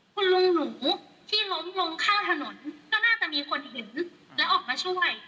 คุณลุงหนูที่ล้มลงข้างถนนก็น่าจะมีคนเห็นและออกมาช่วย